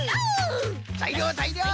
ざいりょうざいりょう。